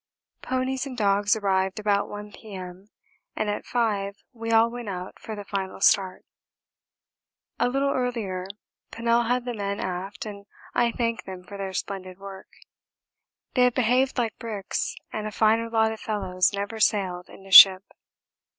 Ponies and dogs arrived about 1 P.M., and at 5 we all went out for the final start. A little earlier Pennell had the men aft and I thanked them for their splendid work. They have behaved like bricks and a finer lot of fellows never sailed in a ship.